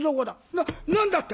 「な何だって！？」。